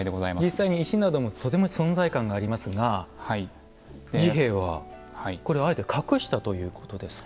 実際に石などもとても存在感がありますが治兵衛はこれをあえて隠したということですか？